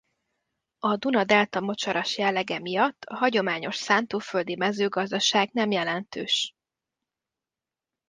A Duna-delta mocsaras jellege miatt a hagyományos szántóföldi mezőgazdaság nem jelentős.